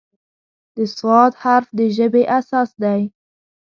د "ص" حرف د ژبې اساس دی.